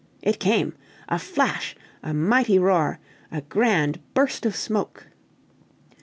It came! a flash! a mighty roar a grand burst of smoke!